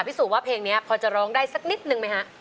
สูจนว่าเพลงนี้พอจะร้องได้สักนิดนึงไหมฮะ